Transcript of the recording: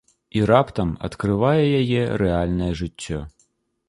І раптам адкрывае яе рэальнае жыццё.